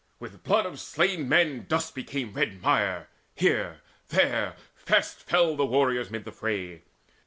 With blood of slain men dust became red mire: Here, there, fast fell the warriors mid the fray.